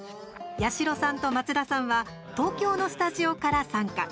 やしろさんと松田さんは東京のスタジオから参加。